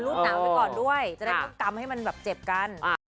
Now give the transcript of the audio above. รูปหนาวไปก่อนด้วยจะได้ก็กำให้มันเจ็บกัน